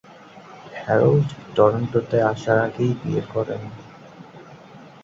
Harold টরন্টোতে আসার আগেই বিয়ে করেন।